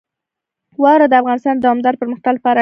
واوره د افغانستان د دوامداره پرمختګ لپاره اړین دي.